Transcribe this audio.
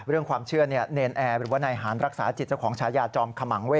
เรื่องความเชื่อเนนแอหรือว่าในหารักษาจิตของชายาจอมขมังเว่